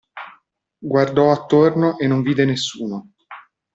Guardò attorno e non vide nessuno.